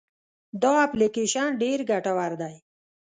دا اپلیکیشن ډېر ګټور دی.